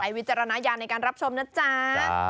ใช้วิจารณาอย่างในการรับชมนะจ้า